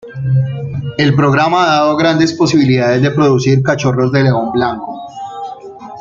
El programa ha dado grandes posibilidades de producir cachorros de león blanco.